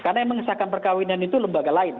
karena yang mengesahkan perkahwinan itu lembaga lain